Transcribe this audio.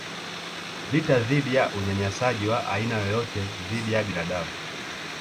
vita dhidi ya unyanyasaji wa aina yoyote dhidi ya binadamu